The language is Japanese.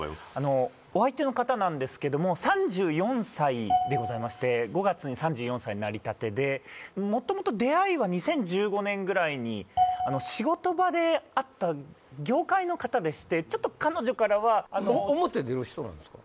お相手の方なんですけども３４歳でございまして５月に３４歳になりたてで元々出会いは２０１５年ぐらいに仕事場で会った業界の方でしてちょっと彼女からは表出る人なんですか？